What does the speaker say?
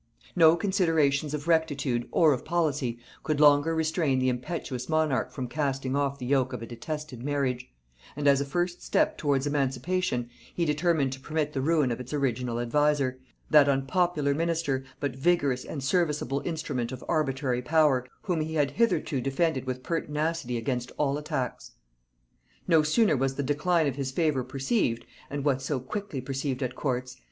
No considerations of rectitude or of policy could longer restrain the impetuous monarch from casting off the yoke of a detested marriage: and as a first step towards emancipation, he determined to permit the ruin of its original adviser, that unpopular minister, but vigorous and serviceable instrument of arbitrary power, whom he had hitherto defended with pertinacity against all attacks. No sooner was the decline of his favor perceived, and what so quickly perceived at courts?